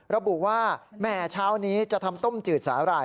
ระบุว่าแหมเช้านี้จะทำต้มจืดสาหร่าย